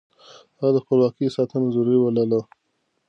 هغه د خپلواکۍ ساتنه ضروري بلله.